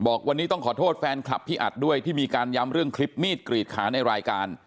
บอกวันนี้ต้องขอโทษแฟนคลับพี่อัดด้วยที่มีการย้ำเรื่องคลิปมีดกรีดขาในรายการ